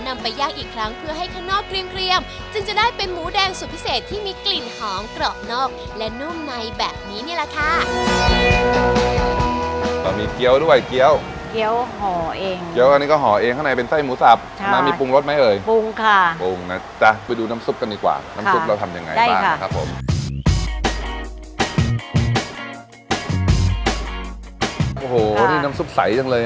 มาย่างอีกครั้งเพื่อให้ข้างนอกเกรียมเกรียมจึงจะได้เป็นหมูแดงสุดพิเศษที่มีกลิ่นหอมกรอกนอกและนุ่มในแบบนี้นี่แหละค่ะมีเกี๊ยวด้วยเกี๊ยวเกี๊ยวหอเองเกี๊ยวอันนี้ก็หอเองข้างในเป็นไส้หมูสับใช่มันมีปรุงรสไหมเอ่ยปรุงค่ะปรุงนะจ๊ะไปดูน้ำซุปกันดีกว่าค่ะน้